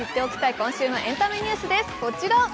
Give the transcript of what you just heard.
今週のエンタメニュースです。